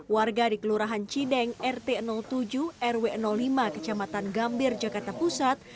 warga di kelurahan cideng rt tujuh rw lima kecamatan gambir jakarta pusat